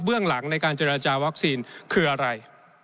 หลังในการเจรจาวัคซีนคืออะไร